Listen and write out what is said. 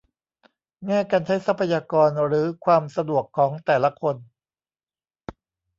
แง่การใช้ทรัพยากรหรือความสะดวกของแต่ละคน